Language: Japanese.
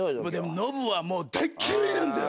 ノブは大嫌いなんだよな。